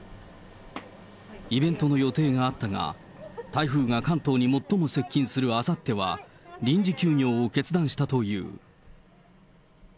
イベントの予定があったが、台風が関東に最も接近するあさっては、臨時休業を決断したという。